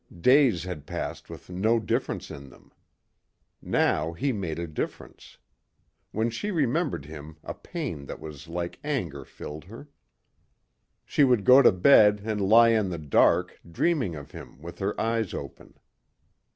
Days had passed with no difference in them. Now he made a difference. When she remembered him a pain that was like anger filled her. She would go to bed and lie in the dark dreaming of him with her eyes open.